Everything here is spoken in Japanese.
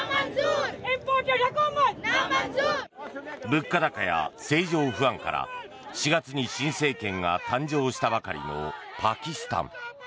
物価高や政情不安から４月に新政権が誕生したばかりのパキスタン。